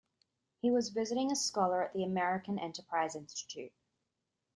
He was a visiting scholar at the American Enterprise Institute.